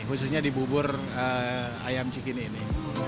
khususnya di bubur ayam cikini ini